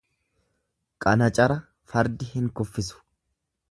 Qanacara fardi hin kuffisu.